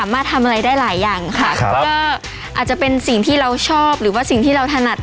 อาจจะเป็นสิ่งที่เราชอบหรือว่าสิ่งที่เราถนัด